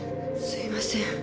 すいません。